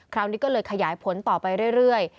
คราวนี้ก็เลยขยายผลต่อไปเรื่อย